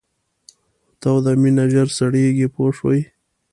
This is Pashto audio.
توده مینه ژر سړیږي پوه شوې!.